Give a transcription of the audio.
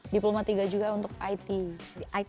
diploma tiga juga untuk it